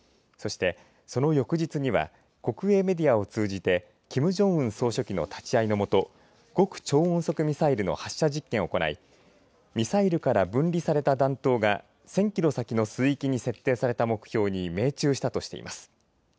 そして、その翌日には国営メディアを通じてキム・ジョンウン総書記の立ち会いの下、極超音速ミサイルの発射実験を行いミサイルから分離された弾頭が１０００キロ先の水域に設定された目標に命中したとしています。